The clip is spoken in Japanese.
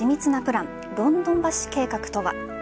ロンドン橋計画とは。